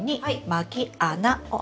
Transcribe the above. まき穴。